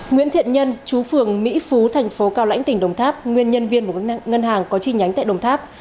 nguyễn thiện nhân chú phường mỹ phú thành phố cao lãnh tỉnh đồng tháp nguyên nhân viên một ngân hàng có chi nhánh tại đồng tháp